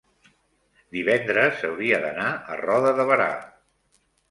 divendres hauria d'anar a Roda de Berà.